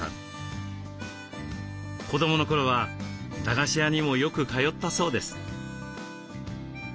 子どもの頃は駄菓子屋にもよく通ったそうです。